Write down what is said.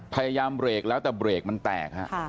พยายามเบรกแล้วแต่เบรกมันแตกฮะ